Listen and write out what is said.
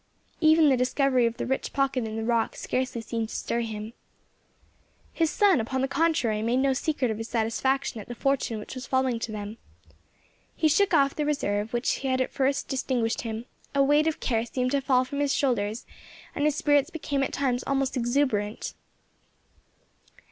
Even the discovery of the rich pocket in the rock scarcely seemed to stir him. His son, upon the contrary, made no secret of his satisfaction at the fortune which was falling to them. He shook off the reserve which had at first distinguished him; a weight of care seemed to fall from his shoulders, and his spirits became at times almost exuberant.